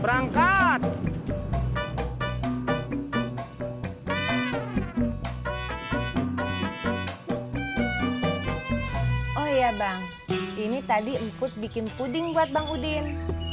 perangkat oh ya bang ini tadi ikut bikin puding buat bangudin